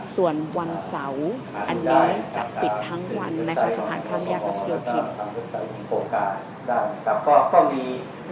ส่วนวันเสาร์อันนี้จะปิดทั้งวันในการทดสอบข้ามแยกรัชยาภิมิตร